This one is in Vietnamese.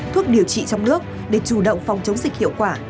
thuốc điều trị trong nước để chủ động phòng chống dịch hiệu quả